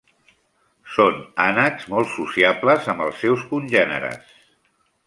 Són ànecs molt sociables amb els seus congèneres.